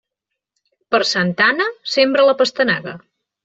Per Santa Anna, sembra la pastanaga.